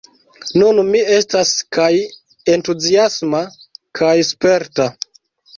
Nun mi estas kaj entuziasma kaj sperta.